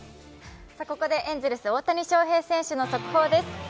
ここでエンゼルス・大谷翔平選手の速報です。